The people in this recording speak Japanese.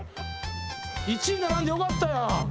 １位にならんでよかったやん。